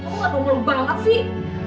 kamu adung lu banget sih